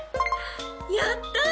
やった！